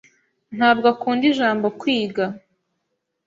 Ntabwo akunda ijambo "kwiga."